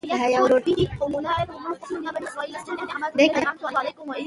ازادي راډیو د چاپیریال ساتنه په اړه د حقایقو پر بنسټ راپور خپور کړی.